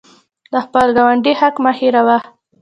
د خپل ګاونډي حق مه هیروه.